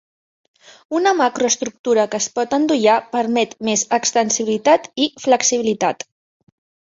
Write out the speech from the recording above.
Una macroestructura que es pot endollar permet més extensibilitat i flexibilitat.